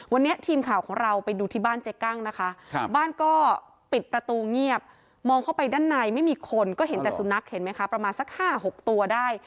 วันนี้ทีมข่าวของเราไปดูที่บ้านเจ๊กั้งนะคะบ้านก็ปิดประตูเงียบมองเข้าไปด้านในไม่มีคนก็เห็นแต่สุนัขเห็นไหมคะประมาณสัก๕๖ตัวได้